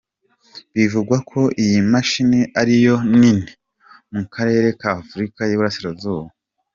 Bivugwa ko iyi mashini ariyo nini mu Karere ka Afurika y’i Burasirazuba.